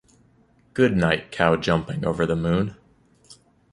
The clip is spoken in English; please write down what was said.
Goodnight cow jumping over the moon.